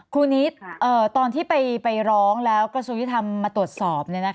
นิดตอนที่ไปร้องแล้วกระทรวงยุทธรรมมาตรวจสอบ